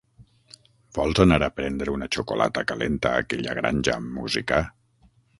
Vols anar a prendre una xocolata calenta a aquella granja amb música?